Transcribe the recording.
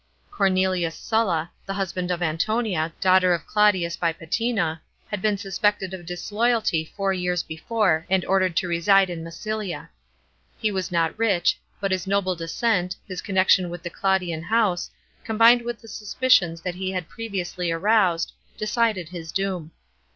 Cornelius Sulla, the husband of Antonia, daughter of Claudius by Psetina, had been suspected of disloyalty four years before, and ordered to reside in Massilia. He was not rich, but his noble de. cent, his connection with the Clandian house, combined with the suspicions which he had previously aroused, decided his doom.